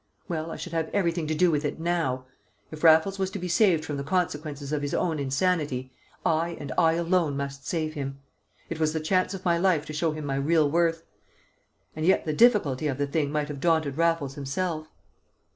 Well, I should have everything to do with it now; if Raffles was to be saved from the consequences of his own insanity, I and I alone must save him. It was the chance of my life to show him my real worth. And yet the difficulty of the thing might have daunted Raffles himself.